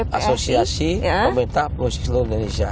iya asosiasi pemerintah proses luruh indonesia